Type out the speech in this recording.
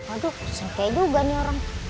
aduh disantai gua ga nih orang